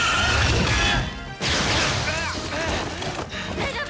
大丈夫？